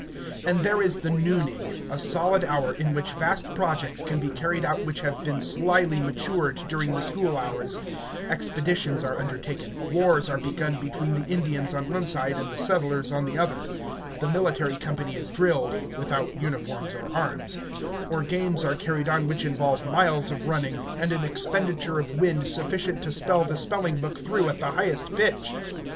And there is the nooning, a solid hour, in which vast projects can be carried out which have been slyly matured during the school hours: expeditions are undertaken; wars are begun between the Indians on one side and the settlers on the other; the military company is drilled (without uniforms or arms), or games are carried on which involve miles of running, and an expenditure of wind sufficient to spell the spelling book through at the highest pitch.